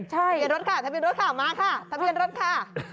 ทะเบียนรถค่ะทะเบียนรถค่ะมาค่ะทะเบียนรถค่ะ